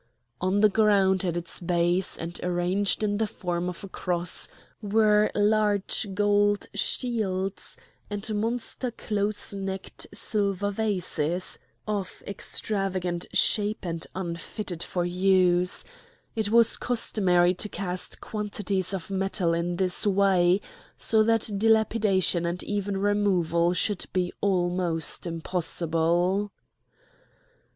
On the ground, at its base, and arranged in the form of a cross, were large gold shields and monster close necked silver vases, of extravagant shape and unfitted for use; it was customary to cast quantities of metal in this way, so that dilapidation and even removal should be almost impossible.